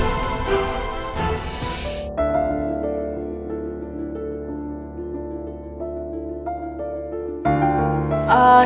jumat belit utama